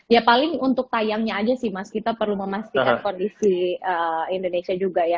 ya paling untuk tayangnya aja sih mas kita perlu memastikan kondisi indonesia juga ya